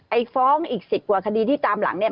ฟ้องอีก๑๐กว่าคดีที่ตามหลังเนี่ย